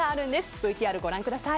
ＶＴＲご覧ください。